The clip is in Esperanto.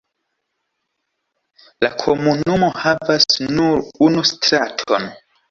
La komunumo havas nur unu straton.